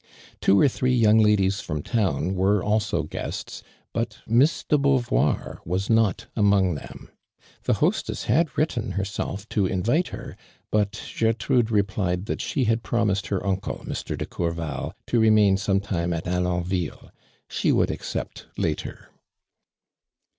Two or three young ladies from town were also guests, but Miss de Beauvoir was not among them. The hostess had written herself to invite her, but Qertmdo replied that she had promised her uncle, Mr. do Courval, to remain some time at Alonville. She would accept later.